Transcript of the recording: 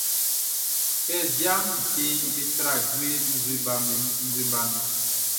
Kɛ wiaʼn fíteʼn, be tra jue nzue baʼn nun.